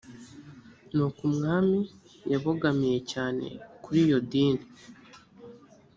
nuko umwami yabogamiye cyane kuri iyo dini